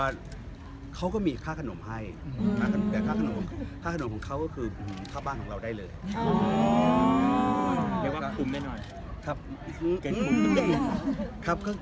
เงียบไปได้เกินไปครับ